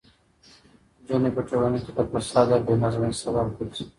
نجونې په ټولنه کې د فساد او بې نظمۍ سبب ګرځي.